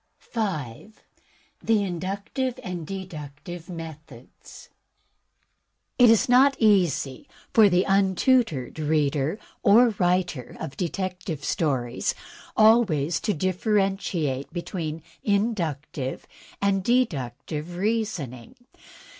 5. The Inductive and the Deductive Methods It is not easy for the untutored reader or writer of de tective stories always to differentiate between inductive and deductive reasoning.